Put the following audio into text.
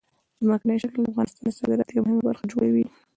ځمکنی شکل د افغانستان د صادراتو یوه مهمه برخه جوړوي.